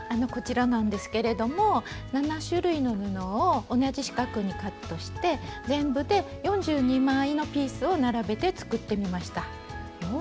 こちらなんですけれども７種類の布を同じ四角にカットして全部で４２枚のピースを並べて作ってみました。